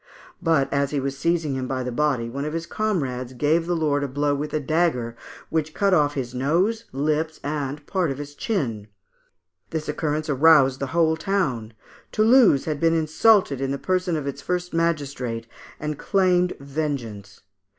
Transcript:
But as he was seizing him by the body, one of his comrades gave the lord a blow with a dagger, which cut off his nose, lips, and part of his chin. This occurrence aroused the whole town. Toulouse had been insulted in the person of its first magistrate, and claimed vengeance.